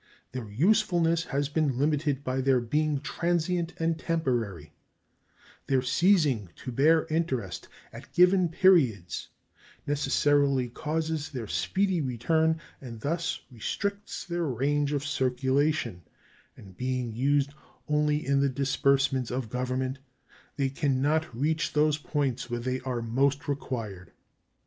Their usefulness has been limited by their being transient and temporary; their ceasing to bear interest at given periods necessarily causes their speedy return and thus restricts their range of circulation, and being used only in the disbursements of Government they can not reach those points where they are most required.